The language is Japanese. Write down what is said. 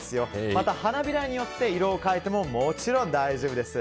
また花びらによって色を変えてももちろん大丈夫です。